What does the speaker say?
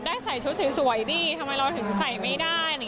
ใส่ชุดสวยดิทำไมเราถึงใส่ไม่ได้